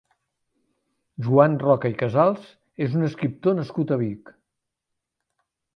Joan Roca i Casals és un escriptor nascut a Vic.